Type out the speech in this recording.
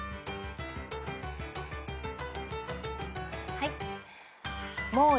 はい。